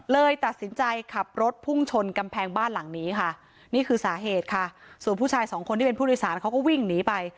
เลยตัดสินใจขับรถพุ่งชนกำแพงบ้านหลังนี้ค่ะนี่คือสาเหตุค่ะส่วนผู้ชายสองคนที่เป็นผู้โดยสารเขาก็วิ่งหนีไป